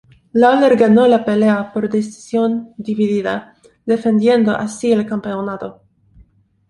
Lawler ganó la pelea por decisión dividida, defendiendo así el campeonato.